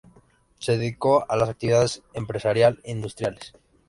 Se dedicó a las actividades empresarial-industriales.